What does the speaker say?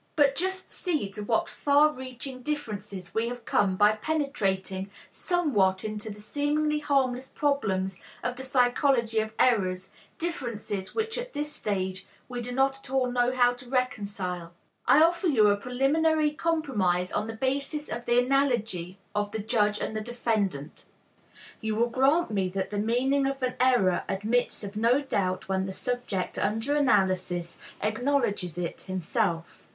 But just see to what far reaching differences we have come by penetrating somewhat into the seemingly harmless problems of the psychology of errors, differences which at this stage we do not at all know how to reconcile. I offer you a preliminary compromise on the basis of the analogy of the judge and the defendant. You will grant me that the meaning of an error admits of no doubt when the subject under analysis acknowledges it himself.